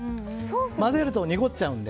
混ぜると濁っちゃうので。